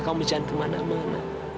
kamu jangan kemana mana